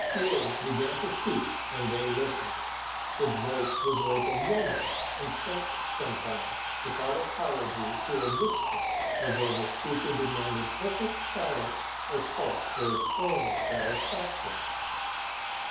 Is began to speak and they listened. His voice was like a woman's and sank sometimes, without apology, to a whisper, as though the speaker demanded perfect silence or spoke for his own satisfaction.